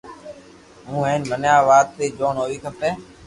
ھون ھين مني آوات ري جوڻ ھووي کمي